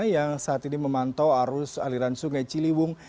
yang saat ini memantau arus aliran sungai ciliwung